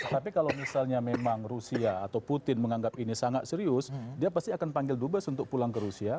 tapi kalau misalnya memang rusia atau putin menganggap ini sangat serius dia pasti akan panggil dubes untuk pulang ke rusia